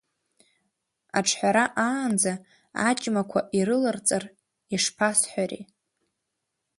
Аҿҳәара аанӡа аџьмақәа ирыларҵар, ишԥасҳәари…